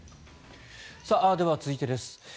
では続いてです。